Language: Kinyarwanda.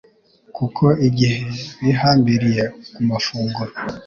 kuko igihe bihambiriye ku mafunguro